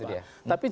nah itu dia